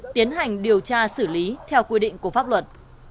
tiến hành điều tra xử lý theo quy định của pháp luật